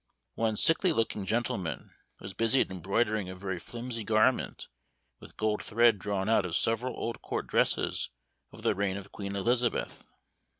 One sickly looking gentleman was busied embroidering a very flimsy garment with gold thread drawn out of several old court dresses of the reign of Queen Elizabeth.